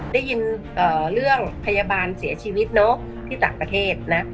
ได้ยินเรื่องพยาบาลเสียชีวิตเนอะที่ต่างประเทศนะ